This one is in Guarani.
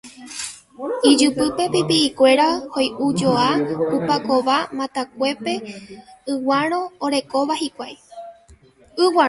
ijypýpe pipi'ikuéra hoy'ujoa ku pakova matakuépe yguárõ orekóva hikuái